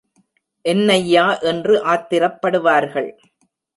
என்னையா என்று ஆத்திரப்படுவார்கள்.